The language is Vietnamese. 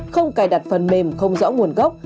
không cài đặt phần mềm không rõ nguồn gốc